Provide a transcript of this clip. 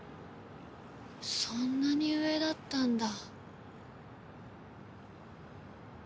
そんなに上だったんだ。